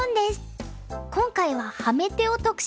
今回はハメ手を特集します。